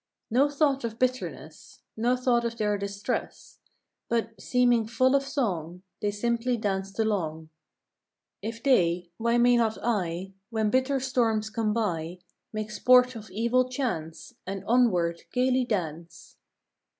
No thought of bitterness, No thought of their distress, But, seeming full of song, They simply danced along. If they, why may not I W T hen bitter storms come by Make sport of evil chance And onward gaily dance?